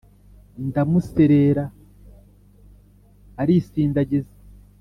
ndamuserera arisindagiza